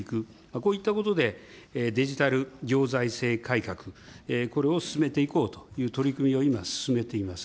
こういったことで、デジタル行財政改革、これを進めていこうという取り組みを今、進めています。